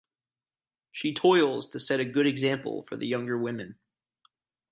She toils to set a good example for the younger women.